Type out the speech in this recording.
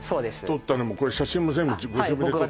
撮ったのもこれ写真も全部ご自分で撮ったの？